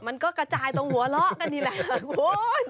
มันก็กระจายตรงหัวเลาะกันนี่แหละคุณ